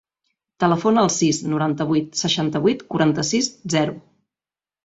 Telefona al sis, noranta-vuit, seixanta-vuit, quaranta-sis, zero.